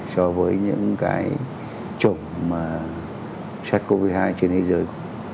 so với những cái chủng mà sars cov hai trên thế giới